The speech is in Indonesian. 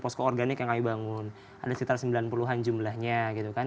posko organik yang kami bangun ada sekitar sembilan puluh an jumlahnya gitu kan